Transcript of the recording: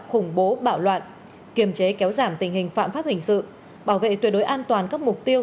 khủng bố bạo loạn kiềm chế kéo giảm tình hình phạm pháp hình sự bảo vệ tuyệt đối an toàn các mục tiêu